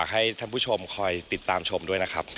ให้ท่านผู้ชมคอยติดตามชมด้วยนะครับ